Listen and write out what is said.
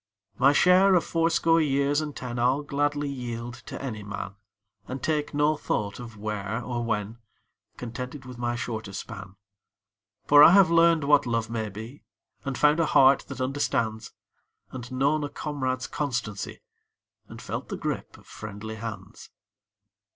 My share of fourscore years and ten I'll gladly yield to any man, And take no thought of " where " or " when," Contented with my shorter span. 32 BETTER FAR TO PASS AWAY 33 For I have learned what love may be, And found a heart that understands, And known a comrade's constancy, And felt the grip of friendly hands.